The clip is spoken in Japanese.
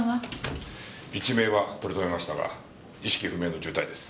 一命は取り留めましたが意識不明の重体です。